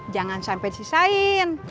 jangan sampe sisain